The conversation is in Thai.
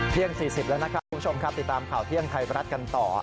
๔๐แล้วนะครับคุณผู้ชมครับติดตามข่าวเที่ยงไทยรัฐกันต่อ